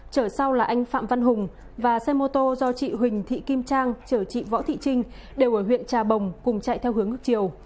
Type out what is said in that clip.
chở sau là anh phạm văn hùng và xe mô tô do chị huỳnh thị kim trang chở chị võ thị trinh đều ở huyện trà bồng cùng chạy theo hướng ngược chiều